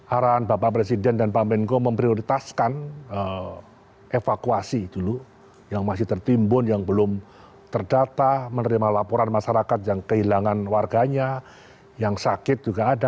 arahan bapak presiden dan pak menko memprioritaskan evakuasi dulu yang masih tertimbun yang belum terdata menerima laporan masyarakat yang kehilangan warganya yang sakit juga ada